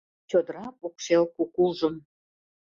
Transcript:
Чодыра покшел кукужым